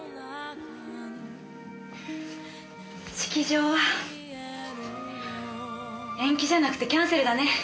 式場は延期じゃなくてキャンセルだね。